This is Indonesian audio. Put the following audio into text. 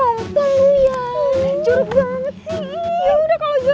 rataus mau jadi hangat